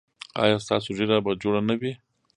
ایا ستاسو ږیره به جوړه نه وي؟